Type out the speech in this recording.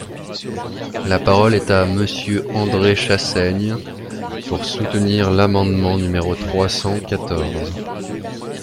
La parole est à Monsieur André Chassaigne, pour soutenir l’amendement numéro trois cent quatorze.